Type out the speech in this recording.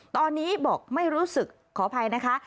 ตอนนี้บอกไม่รู้สึกขออภัยนะคะ